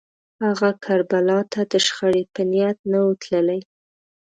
هغه کربلا ته د شخړې په نیت نه و تللی